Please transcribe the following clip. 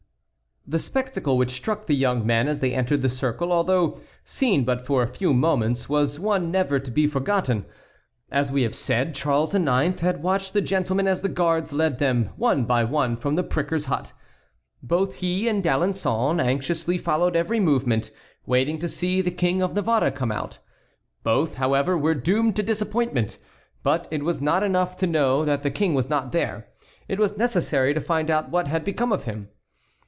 The spectacle which struck the young men as they entered the circle, although seen but for a few moments, was one never to be forgotten. As we have said, Charles IX. had watched the gentlemen as the guards led them one by one from the pricker's hut. Both he and D'Alençon anxiously followed every movement, waiting to see the King of Navarre come out. Both, however, were doomed to disappointment. But it was not enough to know that the king was not there, it was necessary to find out what had become of him.